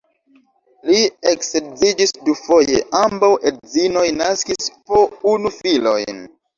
Li eksedziĝis dufoje, ambaŭ edzinoj naskis po unu filojn.